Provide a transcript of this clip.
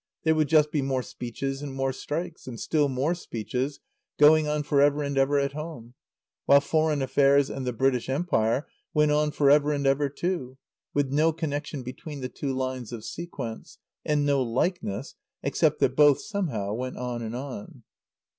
There would just be more speeches and more strikes, and still more speeches, going on for ever and ever at home; while foreign affairs and the British Empire went on for ever and ever too, with no connection between the two lines of sequence, and no likeness, except that both somehow went on and on.